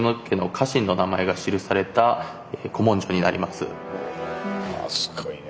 すごいね。